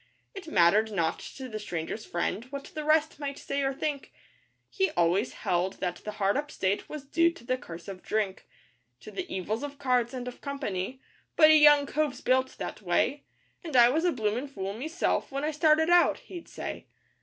It mattered not to the Stranger's Friend what the rest might say or think, He always held that the hard up state was due to the curse of drink, To the evils of cards, and of company: 'But a young cove's built that way, And I was a bloomin' fool meself when I started out,' he'd say.